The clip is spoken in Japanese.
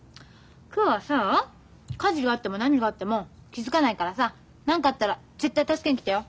今日はさ火事があっても何があっても気付かないからさ何かあったら絶対助けに来てよ。